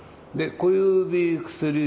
小指薬指。